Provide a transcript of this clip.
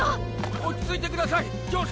落ち着いてくださいジョー様。